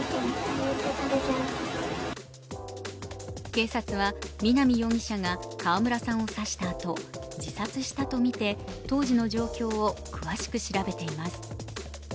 警察は南容疑者が川村さんを刺したあと自殺したとみて当時の状況を詳しく調べています。